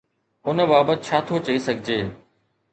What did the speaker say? ان بابت ڇا ٿو چئي سگهجي؟